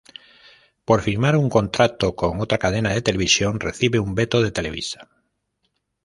Por firmar un contrato con otra cadena de televisión, recibe un veto de Televisa.